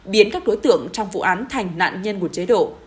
biến các đối tượng trong vụ án thành nạn nhân của chế độ